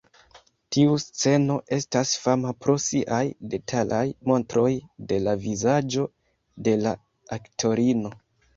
Tiu sceno estas fama pro siaj detalaj montroj de la vizaĝo de la aktorino.